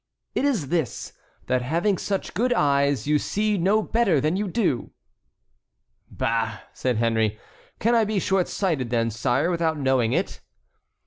"It is this, that having such good eyes, you see no better than you do." "Bah!" said Henry, "can I be short sighted, then, sire, without knowing it?"